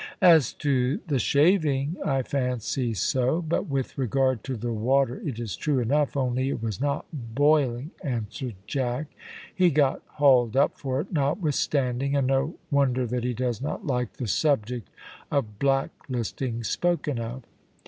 "As to the shaving I fancy so, but with regard to the water it is true enough, only it was not boiling," answered Jack. "He got hauled up for it, notwithstanding, and no wonder that he does not like the subject of black listing spoken of."